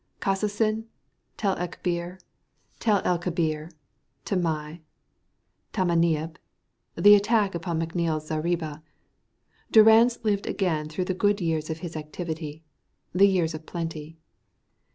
Kassassin, Tel el Kebir, Tamai, Tamanieb, the attack upon McNeil's zareeba Durrance lived again through the good years of his activity, the years of plenty.